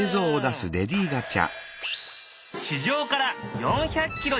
地上から４００キロ